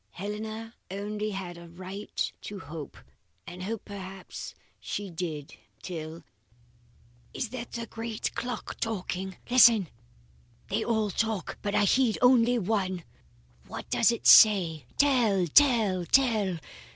Helena only had a right to hope, and hope perhaps she did, till Is that the great clock talking? Listen! They all talk, but I heed only the one. What does it say? Tell! tell! tell!